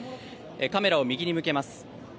カメラを右に向けます。